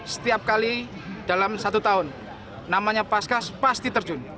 setiap kali dalam satu tahun namanya paskas pasti terjun